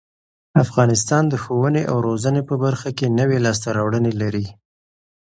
افغانستان د ښوونې او روزنې په برخه کې نوې لاسته راوړنې لري.